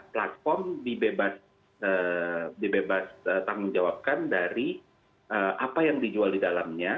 platform dibebas tanggung jawabkan dari apa yang dijual di dalamnya